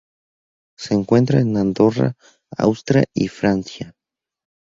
Se encuentra en: Andorra, Austria y Francia.